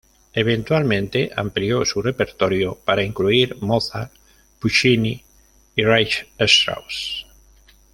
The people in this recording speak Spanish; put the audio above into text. Eventualmente amplió su repertorio para incluir Mozart, Puccini y Richard Strauss.